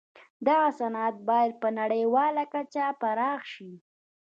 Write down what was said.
دغه صنعت بايد په نړيواله کچه پراخ شي.